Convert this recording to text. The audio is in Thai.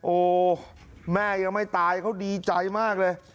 โอ้แม่ยังไม่ตายเขาดีใจมากเลย